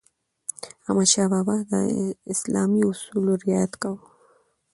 احمدشاه بابا د اسلامي اصولو رعایت کاوه.